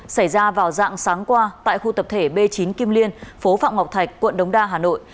xảy ra vào dạng sáng qua tại khu tập thể b chín kim liên phố phạm ngọc thạch quận đống đa hà nội